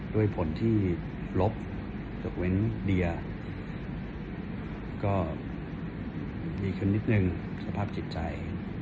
ด้วยผลที่ลบยกเว้นเดียก็ดีขึ้นนิดนึงสภาพจิตใจ